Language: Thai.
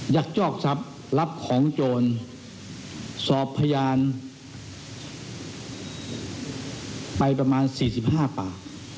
ักยอกทรัพย์รับของโจรสอบพยานไปประมาณ๔๕ปาก